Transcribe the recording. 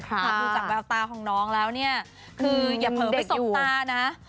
จากแววตาของน้องแล้วเนี่ยคืออย่าเพิ่มไปสกตานะ